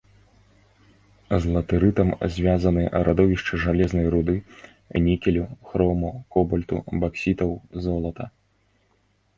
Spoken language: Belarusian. З латэрытам звязаны радовішчы жалезнай руды, нікелю, хрому, кобальту, баксітаў, золата.